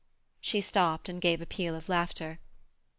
She stopped and gave a peal of laughter.